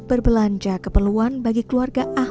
berbelanja keperluan bagi keluarga ahmad dan popon